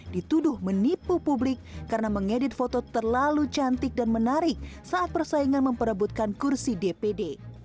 dituduh menipu publik karena mengedit foto terlalu cantik dan menarik saat persaingan memperebutkan kursi dpd